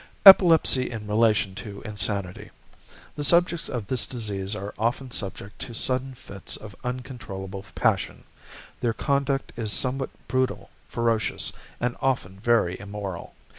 =Epilepsy in Relation to Insanity.= The subjects of this disease are often subject to sudden fits of uncontrollable passion; their conduct is sometimes brutal, ferocious, and often very immoral.